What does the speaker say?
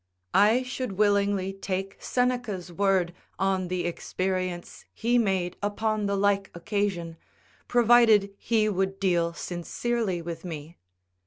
I should willingly take Seneca's word on the experience he made upon the like occasion, provided he would deal sincerely with me.